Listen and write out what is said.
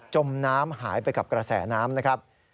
มน้ำหายไปกับกระแสน้ำนะครับ